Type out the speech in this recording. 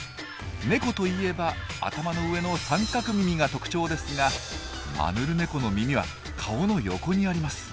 ネコといえば頭の上の三角耳が特徴ですがマヌルネコの耳は顔の横にあります。